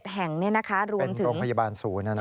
๑๑แห่งเนี่ยนะคะรวมถึงเป็นโรงพยาบาลศูนย์อ่ะนะ